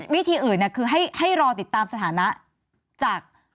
วิธีอื่นคือให้รอติดตามสถานะจาก